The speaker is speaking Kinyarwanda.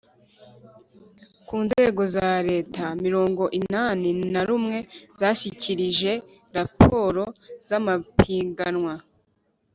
ku Nzego za Leta mirongo inani na rumwe zashyikirije raporo z amapiganwa